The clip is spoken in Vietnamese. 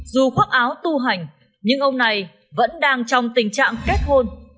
dù khoác áo tu hành nhưng ông này vẫn đang trong tình trạng kết hôn